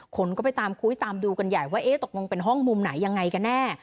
คนก็ไปตามคุยตามดูกันใหญ่ว่าเอ๊ะตกลงเป็นห้องมุมไหนยังไงกันแน่